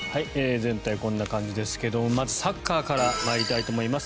全体、こんな感じですがまずサッカーから参りたいと思います。